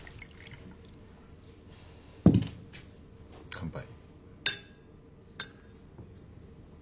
乾杯。